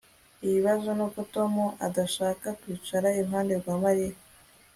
Ikibazo nuko Tom adashaka kwicara iruhande rwa Mariya